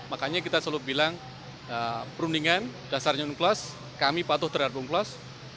makanya kita selalu bilang perundingan dasarnya unclos kami patuh terhadap unclos